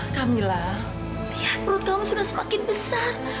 kamilah lihat perut kamu sudah semakin besar